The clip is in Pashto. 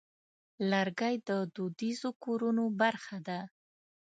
لرګی د دودیزو کورونو برخه ده.